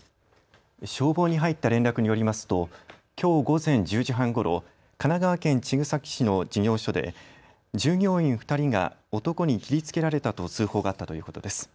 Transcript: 消防に入った連絡によりますときょう午前１０時半ごろ、神奈川県茅ヶ崎市の事業所で従業員２人が男に切りつけられたと通報があったということです。